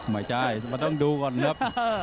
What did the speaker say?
ไม่ใช่มันต้องดูก่อนครับ